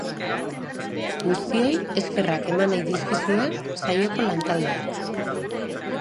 Guztioi eskerrak eman nahi dizkizue saioko lantaldeak.